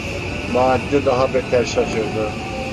Macide daha beter şaşırdı.